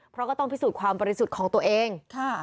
เพราะก็ต้องพิสูจน์ความบริสุทธิ์ของตัวเอง